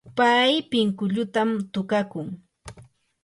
pay pinkullutam tukakun.